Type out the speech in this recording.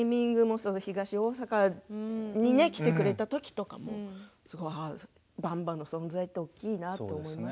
東大阪に来てくれた時とかもばんばの存在って大きいなと思いましたね。